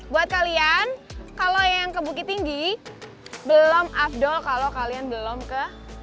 buat kalian kalau yang ke bukit tinggi belum afdol kalau kalian belum ke